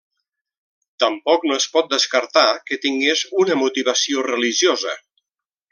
Tampoc no es pot descartar que tingués una motivació religiosa.